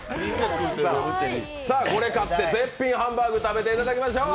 これ勝って、絶品ハンバーグ食べていただきましょう。